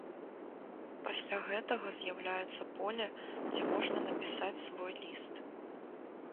Пасля гэтага з'яўляецца поле, дзе можна напісаць свой ліст.